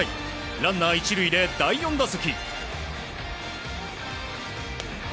ランナー１塁で第４打席。